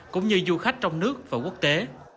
cũng như du khách trong nước và quốc tế